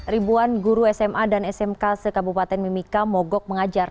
ribuan guru sma dan smk sekabupaten mimika mogok mengajar